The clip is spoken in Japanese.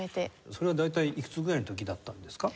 それは大体いくつぐらいの時だったんですか？